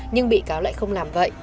nhưng bị cáo lại không làm vậy